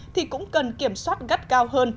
thì cũng cần kiểm soát gắt cao hơn